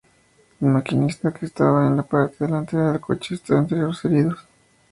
El maquinista, que estaba en la parte delantera del coche, está entre los heridos.